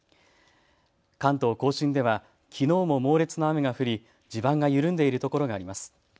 関東甲信ではきのうも猛烈な雨が降り、地盤が緩んでいるところがあります。